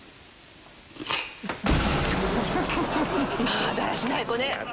まぁだらしない子ね！